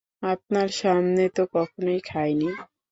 আপনার সামনে তো কখনো খাই নি।